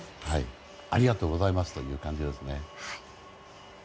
ありがとうございますという感じですね。